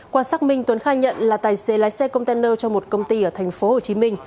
qua xác minh tuấn khai nhận là tài xế lái xe container cho một công ty ở tp hcm